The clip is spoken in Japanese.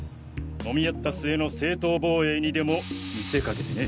揉み合った末の正当防衛にでも見せかけてね。